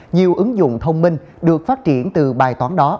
nhiều ứng dụng thông minh được phát triển từ bài toán đó